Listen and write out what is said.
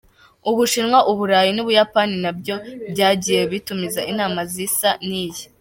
U Bushinwa, Uburayi n’Ubuyapani na byo byagiye bitumiza inama zisa n’iyi.